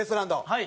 はい。